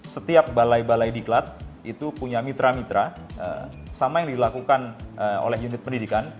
setiap balai balai diklat itu punya mitra mitra sama yang dilakukan oleh unit pendidikan